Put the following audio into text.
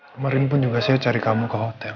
kemarin pun juga saya cari kamu ke hotel